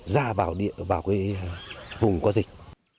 ra vào vùng có dịch